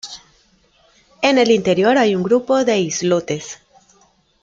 En el interior hay un grupo de islotes.